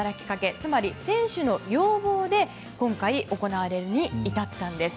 つまり、選手の要望で今回、行われるに至ったんです。